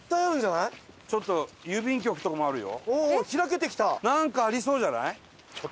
ちょっと郵便局とかもあるよ。